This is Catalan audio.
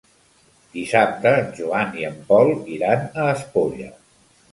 Dissabte en Joan i en Pol iran a Espolla.